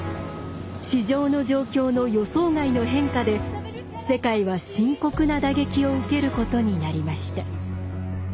市場の状況の予想外の変化で世界は深刻な打撃を受けることになりました。